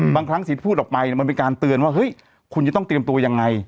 ครั้งที่พูดออกไปมันเป็นการเตือนว่าเฮ้ยคุณจะต้องเตรียมตัวยังไง